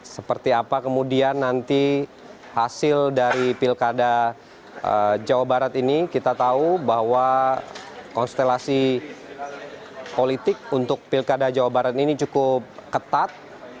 seperti apa kemudian nanti hasil dari pilkada jawa barat ini kita tahu bahwa konstelasi politik untuk pilkada jawa barat ini cukup ketat